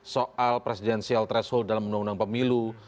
soal presidensial threshold dalam undang undang pemilu